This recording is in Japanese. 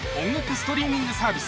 ストリーミングサービス